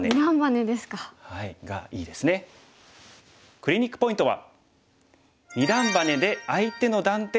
クリニックポイントは。